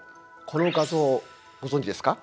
この画像ご存じですか？